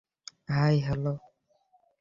High, hello.